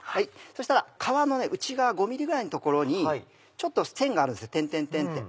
そうしたら皮の内側５ｍｍぐらいの所にちょっと線があるんですよテンテンテンって。